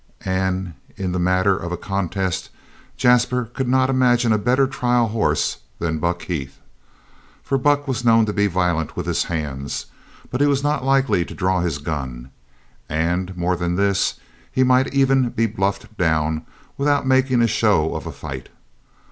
And in the matter of a contest Jasper could not imagine a better trial horse than Buck Heath. For Buck was known to be violent with his hands, but he was not likely to draw his gun, and, more than this, he might even be bluffed down without making a show of a fight.